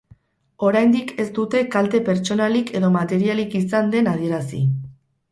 Oraindik ez dute kalte pertsonalik edo materialik izan den adierazi.